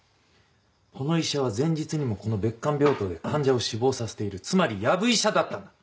この医者は前日にもこの別館病棟で患者を死亡させているつまりやぶ医者だったんだ！